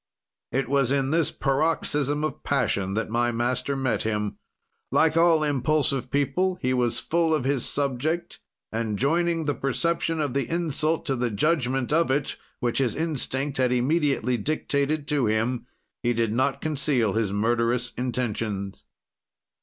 "It was in this paroxysm of passion that my master met him. Like all impulsive people, he was full of his subject, and, joining the perception of the insult to the judgment of it, which his instinct had immediately dictated to him, he did not conceal his murderous intentions.